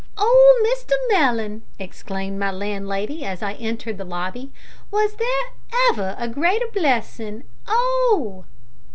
"Oh, Mr Mellon!" exclaimed my landlady, as I entered the lobby, "was there ever a greater blessin' oh!